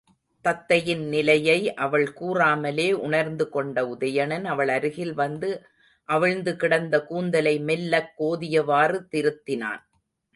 தத்தையின் நிலையை அவள் கூறாமலே உணர்ந்துகொண்ட உதயணன், அவளருகில் வந்து அவிழ்ந்துகிடந்த கூந்தலை மெல்லக் கோதியவாறு திருத்தினான்.